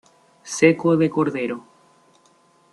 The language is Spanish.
Seco de cordero.